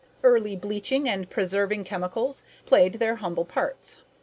Early bleaching and preserving chemicals played their humble parts.